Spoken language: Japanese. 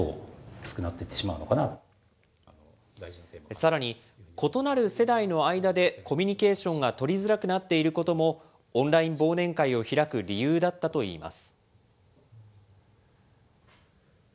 さらに、異なる世代の間でコミュニケーションが取りづらくなっていることも、オンライン忘年会を開く理由だったといいます。